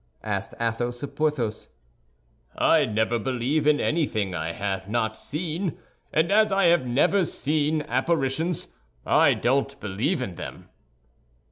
asked Athos of Porthos. "I never believe in anything I have not seen, and as I never have seen apparitions, I don't believe in them."